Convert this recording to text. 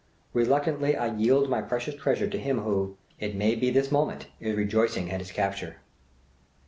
reluctantly I yield my precious treasure to him who, it may be this moment, is rejoicing at his capture.